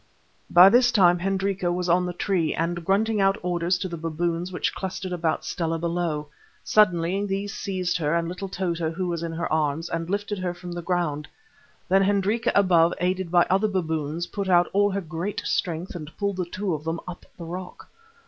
By this time Hendrika was on the tree, and grunting out orders to the baboons which clustered about Stella below. Suddenly these seized her and little Tota who was in her arms, and lifted her from the ground. Then Hendrika above, aided by other baboons, put out all her great strength and pulled the two of them up the rock.